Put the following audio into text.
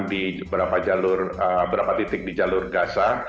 di beberapa titik di jalur gaza